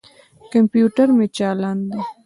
کمپیوټر مې چالاند دي.